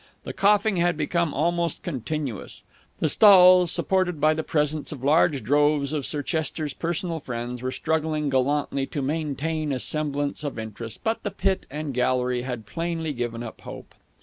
The coughing had become almost continuous. The stalls, supported by the presence of large droves of Sir Chester's personal friends, were struggling gallantly to maintain a semblance of interest, but the pit and gallery had plainly given up hope.